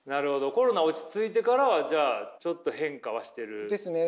コロナ落ち着いてからはじゃあちょっと変化はしてる？ですね。